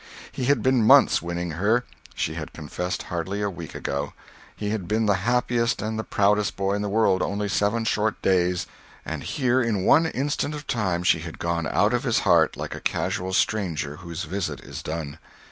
He had been months winning her; she had confessed hardly a week ago; he had been the happiest and the proudest boy in the world only seven short days, and here in one instant of time she had gone out of his heart like a casual stranger whose visit is done.